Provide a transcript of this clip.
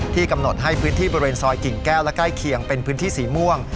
กำหนดให้พื้นที่บริเวณซอยกิ่งแก้วและใกล้เคียงเป็นพื้นที่สีม่วง